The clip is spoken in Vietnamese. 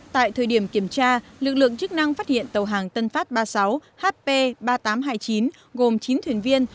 tại thời điểm kiểm tra lực lượng chức năng phát hiện tàu hàng tân phát ba mươi sáu hp ba nghìn tám trăm hai mươi chín gồm chín thuyền viên